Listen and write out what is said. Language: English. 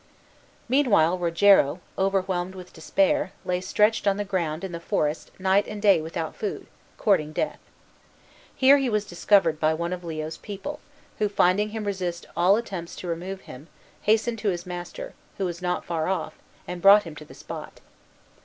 Meanwhile Rogero, overwhelmed with despair, lay stretched on the ground in the forest night and day without food, courting death. Here he was discovered by one of Leo's people, who, finding him resist all attempts to remove him, hastened to his master, who was not far off, and brought him to the spot.